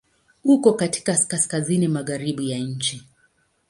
Uko katika Kaskazini magharibi ya nchi.